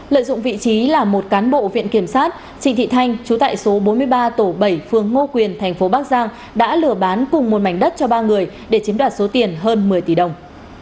lợi dụng vị trí là một cán bộ viện kiểm sát trịnh thị thanh chú tại số bốn mươi ba tổ bảy phường ngô quyền thành phố bắc giang đã lừa bán cùng một mảnh đất cho ba người để chiếm đoạt số tiền hơn một mươi tỷ đồng